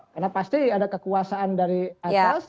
karena pasti ada kekuasaan dari atas